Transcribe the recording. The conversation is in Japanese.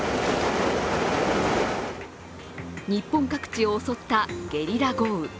日本各地を襲ったゲリラ豪雨。